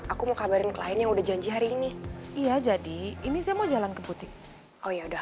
aku mau kabarin klien yang udah janji hari ini iya jadi ini saya mau jalan ke butik oh ya udah